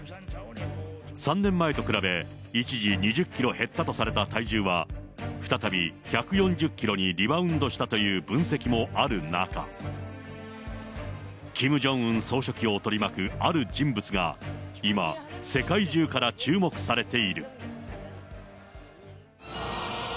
３年前と比べ、一時、２０キロ減ったとされた体重は、再び１４０キロにリバウンドしたという分析もある中、キム・ジョンウン総書記を取り巻くある人物が、今、世界中から注目されている。